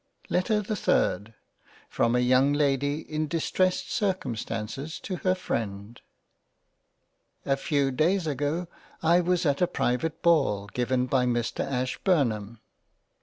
LETTER the THIRD From a YOUNG LADY in distressed Circumstances to her freind A FEW days ago I was at a private Ball given by Mr Ashburnham.